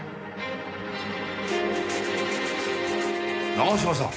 長島さん！？